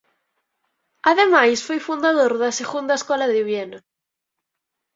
Ademais foi fundador da Segunda Escola de Viena.